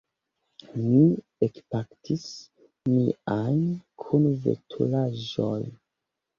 Mi ekpakis miajn kunveturaĵojn.